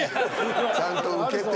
ちゃんとウケて。